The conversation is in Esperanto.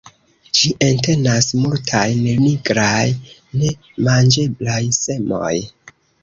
Ĝi entenas multajn nigraj, ne manĝeblaj semoj.